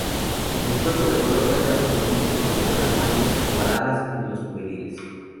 El cuerpo de color plateado plomizo con numerosas manchas ovaladas en los juveniles.